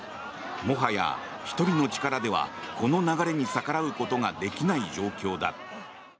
もはや１人の力では、この流れに逆らうことができない状況だ。